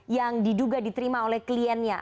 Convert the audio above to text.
yang diduga diterima oleh kliennya